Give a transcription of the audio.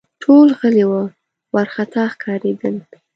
ټول غلي وه ، وارخطا ښکارېدل